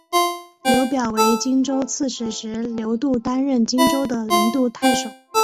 刘表为荆州刺史时刘度担任荆州的零陵太守。